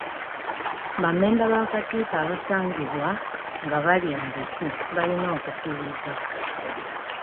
Bammemba b'akakiiko abasangibwa nga balya enguzi balina okusibibwa.